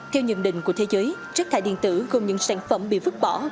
theo nhận định của thế giới chất thải điện tử gồm những sản phẩm bị vứt bỏ